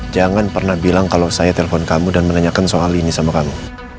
jangan pernah bilang kalau saya telepon kamu dan menanyakan soal ini sama kamu